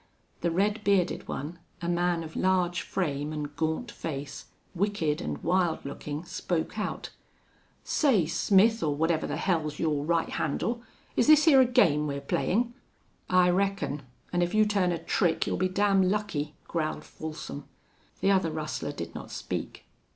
The red bearded one, a man of large frame and gaunt face, wicked and wild looking, spoke out, "Say, Smith, or whatever the hell's yore right handle is this hyar a game we're playin'?" "I reckon. An' if you turn a trick you'll be damn lucky," growled Folsom. The other rustler did not speak.